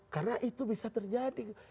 karena itu bisa terjadi